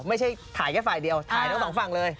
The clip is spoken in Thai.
ไม่ใช่ถ่ายแค่ฝ่ายเดียวถ่ายทั้งสองฝั่งเลย